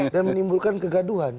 dan menimbulkan kegaduhan